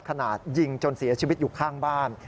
ยิงจนเสียชีวิตอยู่ข้างบ้าน